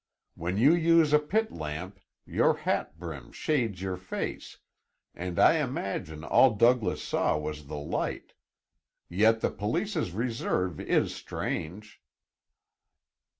When you use a pit lamp your hat brim shades your face, and I imagine all Douglas saw was the light. Yet the police's reserve is strange."